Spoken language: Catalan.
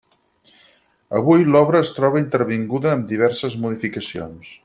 Avui l'obra es troba intervinguda amb diverses modificacions.